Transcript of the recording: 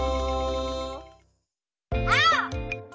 あお！